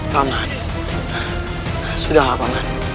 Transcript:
paman sudah lah paman